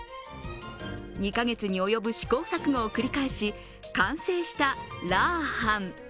２か月に及ぶ試行錯誤を繰り返し、完成したラー飯。